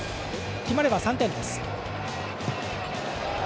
決まれば３点です。